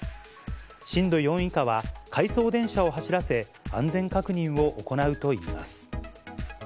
震度４以下は回送電車を走らせ、安全確認を行うといいます。